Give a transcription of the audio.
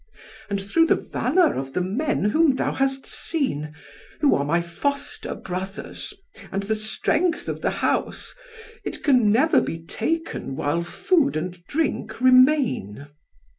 And through the valour of the men whom thou hast seen, who are my foster brothers, and the strength of the house, it can never be taken while food and drink remain.